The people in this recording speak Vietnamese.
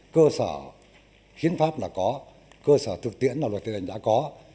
cơ sở khiến pháp là có cơ sở thực tiễn là luật tiền hành đã có